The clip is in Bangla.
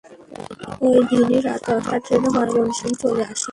ঐ দিনই রাত দশটার ট্রেনে ময়মনসিং চলে আসি।